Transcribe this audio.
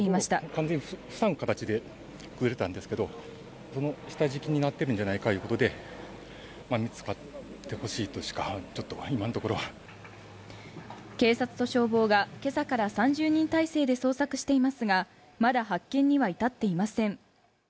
完全に塞ぐ形で崩れたんですけど、その下敷きになってるんじゃないかいうことで見つかってほしいと警察と消防がけさから３０人態勢で捜索していますが、まだ発見には至っていません。